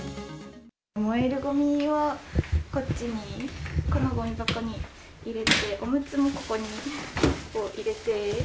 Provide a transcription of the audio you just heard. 燃えるごみはこっちに、このごみ箱に入れて、おむつもここに結構入れて。